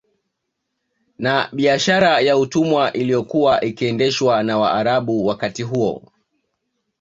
Na biashara ya utumwa iliyokuwa ikiendeshwa na Waarabu wakati huo